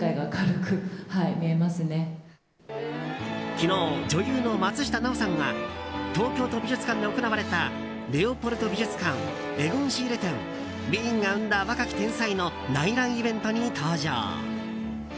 昨日、女優の松下奈緒さんが東京都美術館で行われた「レオポルド美術館エゴン・シーレ展ウィーンが生んだ若き天才」の内覧イベントに登場。